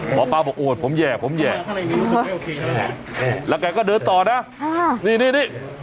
หมอปลาบอกโอ้ยผมแยกผมแยกแล้วแกก็เดินต่อนะค่ะนี่นี่นี่